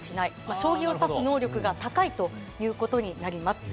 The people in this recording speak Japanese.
将棋を指す能力が高いということになります。